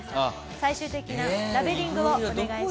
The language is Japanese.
最終的なラベリングをお願いします。